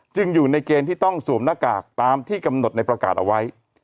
อยู่ในเกณฑ์ที่ต้องสวมหน้ากากตามที่กำหนดในประกาศเอาไว้